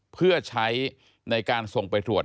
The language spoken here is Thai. เพื่อใช้ในการส่งไปตรวจ